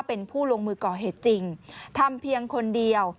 เป็นผู้ลงมือก่อเหตุจริงทำเพียงคนเดียว